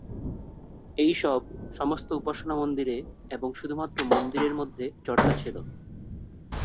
এই সব, সমস্ত উপাসনা মন্দিরে এবং শুধুমাত্র মন্দিরের মধ্যে চর্চা ছিল।